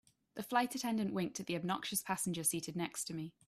The flight attendant winked at the obnoxious passenger seated next to me.